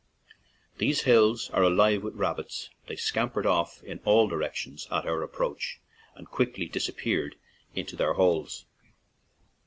These hills are alive with rabbits; they scampered off in all di rections at our approach and quickly dis appeared into their holes.